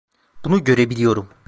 Bunu görebiliyorum.